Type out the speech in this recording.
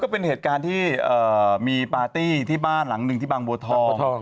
เป็นเหตุการณ์ที่มีปาร์ตี้ที่บ้านหลังหนึ่งที่บางบัวทอง